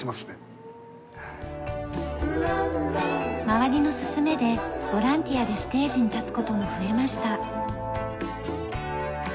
周りの勧めでボランティアでステージに立つ事も増えました。